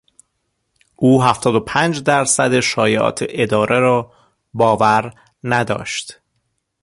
او هفتاد و پنج درصد شایعات اداره را باور نداشت.